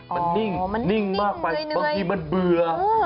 มันนิ่งมากไปบางทีมันเบื่อ